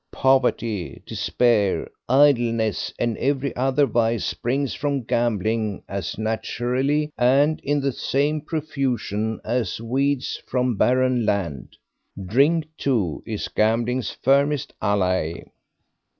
Poverty, despair, idleness, and every other vice spring from gambling as naturally, and in the same profusion, as weeds from barren land. Drink, too, is gambling's firmest ally."